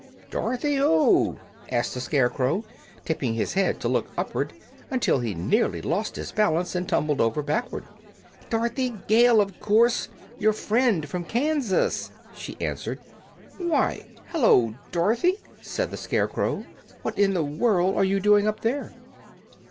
"Dorothy who?" asked the Scarecrow, tipping his head to look upward until he nearly lost his balance and tumbled over backward. "Dorothy Gale, of course. Your friend from Kansas," she answered. "Why, hello, Dorothy!" said the Scarecrow. "What in the world are you doing up there?"